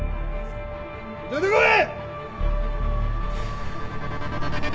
出てこい！